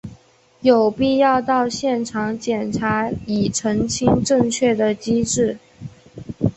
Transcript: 有必要到现场检查以澄清正确的机制。